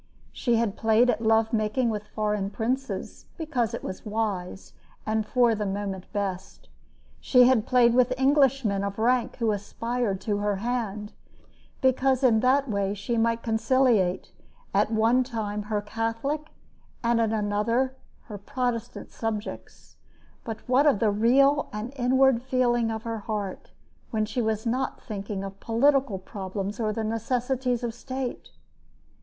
She had played at love making with foreign princes, because it was wise and, for the moment, best. She had played with Englishmen of rank who aspired to her hand, because in that way she might conciliate, at one time her Catholic and at another her Protestant subjects. But what of the real and inward feeling of her heart, when she was not thinking of political problems or the necessities of state!